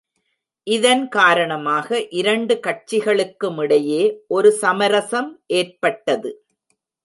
இதன் காரணமாக இரண்டு கட்சிகளுக்குமிடையே ஒரு சமரசம் ஏற்பட்டது.